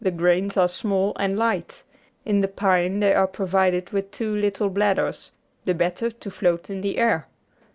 Natural History 633 small and light ; in the pine they are provided with two little blad ders, the better to float in the air.